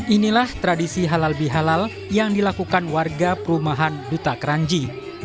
inilah tradisi halal bihalal yang dilakukan warga perumahan duta keranji